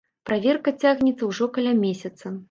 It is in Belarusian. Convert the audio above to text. Праверка цягнецца ўжо каля месяца.